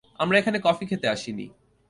আমরা এখানে কফি খেতে আসিনি।